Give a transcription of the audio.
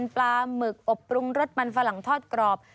ปลาหมึกอบปรุงรสมันฝรั่งทอดกรอบ